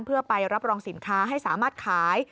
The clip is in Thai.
เพื่อไปรับรองสินค้าให้สามารถขาย